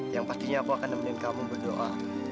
yang pastinya aku akan nemenin kamu berdoa